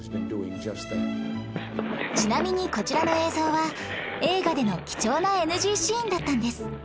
ちなみにこちらの映像は映画での貴重な ＮＧ シーンだったんです